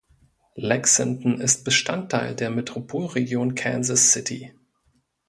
Lexington ist Bestandteil der Metropolregion Kansas City.